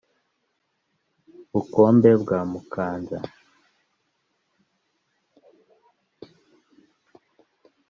bukombe bwa mukanza